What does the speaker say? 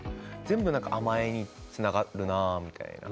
全部何かあまえにつながるなあみたいな。